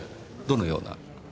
どのような？